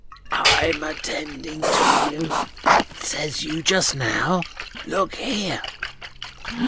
"I'm attending to you. Says you just now, Look here.